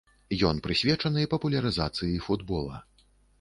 Ён прысвечаны папулярызацыі футбола.